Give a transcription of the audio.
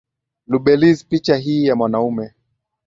lubeliz picha hii ya mwanaume